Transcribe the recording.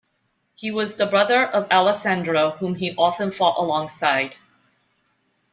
He was the brother of Alessandro, whom he often fought alongside.